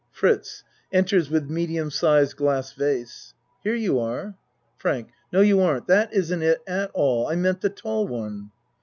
FRITZ (Enters with medium sized glass vase.) Here you are. FRANK No, you aren't. That isn't it at all. I meant the tall one.